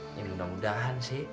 ini mudah mudahan sih